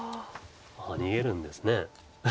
逃げるんですね。